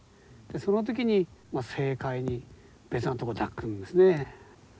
その時に正解に別なとこ抱くんですね。